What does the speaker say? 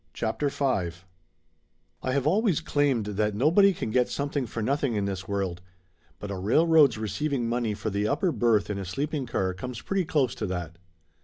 CHAPTER V T HAVE always claimed that nobody can get some thing for nothing in this world, but a railroad's re ceiving money for the upper berth in a sleeping car comes pretty close to that.